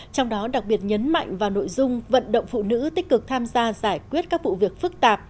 trong đó đặc biệt nhấn mạnh vào nội dung vận động phụ nữ tích cực tham gia giải quyết các vụ việc phức tạp